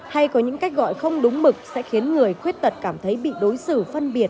hay có những cách gọi không đúng mực sẽ khiến người khuyết tật cảm thấy bị đối xử phân biệt